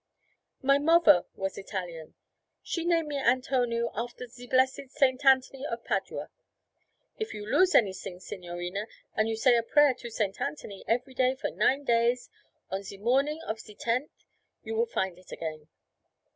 'My movver was Italian. She name me Antonio after ze blessed Saint Anthony of Padua. If you lose anysing, signorina, and you say a prayer to Saint Anthony every day for nine days, on ze morning of ze tenth you will find it again.'